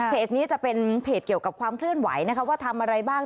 นี้จะเป็นเพจเกี่ยวกับความเคลื่อนไหวนะคะว่าทำอะไรบ้าง